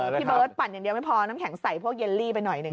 พี่เบิร์ตปั่นอย่างเดียวไม่พอน้ำแข็งใส่พวกเยลลี่ไปหน่อยหนึ่ง